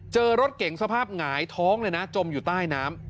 เจอรถเก่งสภาพหงายท้องเลยนะจมอยู่ใต้น้ำ